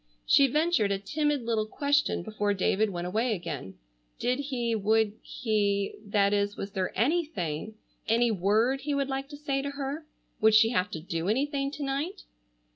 She ventured a timid little question before David went away again: Did he, would he,—that is, was there any thing,—any word he would like to say to her? Would she have to do anything to night?